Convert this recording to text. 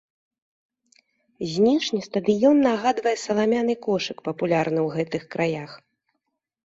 Знешне стадыён нагадвае саламяны кошык, папулярны ў гэты краях.